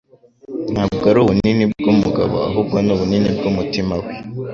Ntabwo ari ubunini bw'umugabo ahubwo ni ubunini bw'umutima we.”